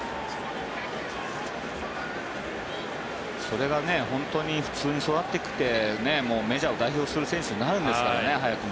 それが本当に普通に育ってきて早くもメジャーを代表する選手になるんですからね。